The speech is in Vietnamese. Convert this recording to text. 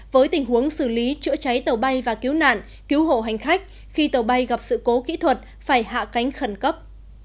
với tình huống xử lý chữa cháy tàu bay và cứu nạn cứu hộ hành khách khi tàu bay gặp sự cố kỹ thuật phải hạ cánh khẩn cấp